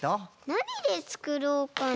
なにでつくろうかな？